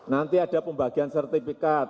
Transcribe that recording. nanti ada pembagian sertifikat